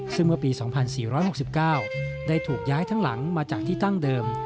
ซึ่งเมื่อปี๒๔๖๙ได้ถูกย้ายทั้งหลังมาจากที่ตั้งเดิม